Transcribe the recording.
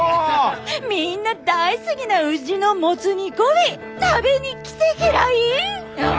みんな大好きなうぢのもつ煮込み食べに来てけらいん。